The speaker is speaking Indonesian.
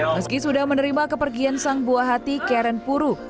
meski sudah menerima kepergian sang buah hati karen puru